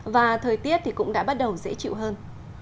và thời tiết thì cũng đã bắt đầu dễ chịu hơn